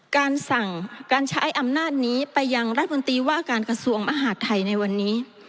การสั่งการใช้อำนาจนี้ไปยังรัฐมนตรีว่าการกระทรวงมหาดไทยในวันนี้